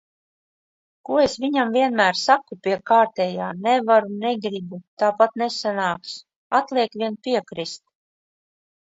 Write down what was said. Ko es viņam vienmēr saku pie kārtējā "nevaru, negribu, tāpat nesanāks". Atliek vien piekrist.